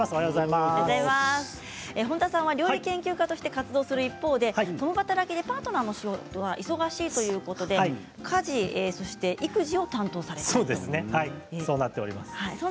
本田さんは料理研究家として活動する一方で共働きでパートナーの仕事が忙しいということで家事・育児を担当されています。